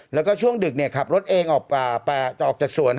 แล้วก็ช่วงดึกขับรถเองจะออกจากสวน